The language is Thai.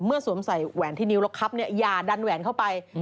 สวมใส่แหวนที่นิ้วแล้วครับอย่าดันแหวนเข้าไป